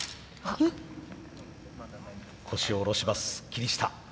腰を下ろします霧下。